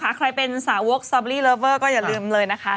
ใครเป็นสาวกซอเบอรี่เลิฟเวอร์ก็อย่าลืมเลยนะคะ